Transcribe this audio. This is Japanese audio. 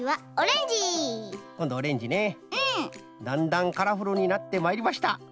だんだんカラフルになってまいりました。